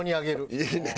いいね！